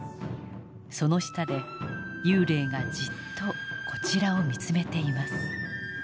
その下で幽霊がじっとこちらを見つめています。